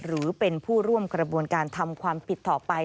หรือเป็นผู้ร่วมกระบวนการทำความผิดต่อไป